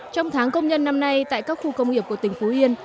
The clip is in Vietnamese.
trong tháng công nhân năm nay tại các khu công nghiệp của tỉnh phú yên